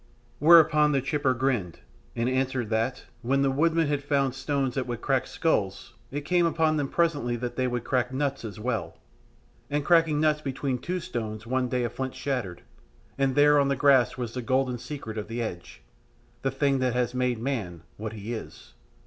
Whereon the chipper grinned, and answered that, when the woodmen had found stones that would crack skulls, it came upon them presently that they would crack nuts as well. And cracking nuts between two stones one day a flint shattered, and there on the grass was the golden secret of the edge the thing that has made man what he is.